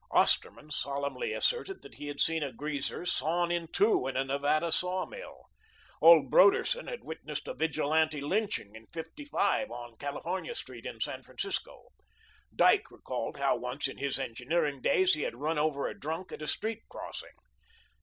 Osterman solemnly asserted that he had seen a greaser sawn in two in a Nevada sawmill. Old Broderson had witnessed a Vigilante lynching in '55 on California Street in San Francisco. Dyke recalled how once in his engineering days he had run over a drunk at a street crossing.